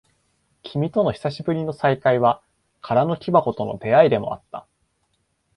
君との久しぶりの再会は、空の木箱との出会いでもあった。